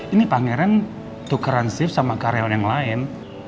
ini pangeran tukeran sif sama karyawan yang lain